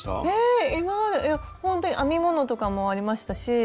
今までいやほんとに編み物とかもありましたし